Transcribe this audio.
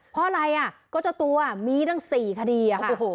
เพราะอะไรอ่ะฝ์มีทั้ง๔คดี